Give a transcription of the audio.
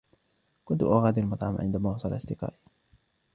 كنت أغادر المطعم عندما وصل أصدقائي.